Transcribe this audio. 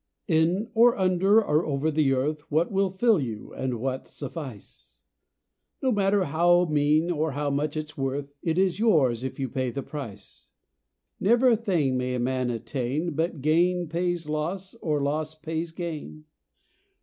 In, or under, or over the earth, What will fill you, and what suffice? No matter how mean, or much its worth, It is yours if you pay the price. Never a thing may a man attain, But gain pays loss, or loss pays gain.